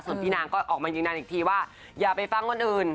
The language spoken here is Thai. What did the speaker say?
ส่วนพี่นางก็ออกมายืนยันอีกทีว่าอย่าไปฟังคนอื่น